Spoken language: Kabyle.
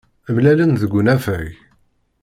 Mlalen deg unafag.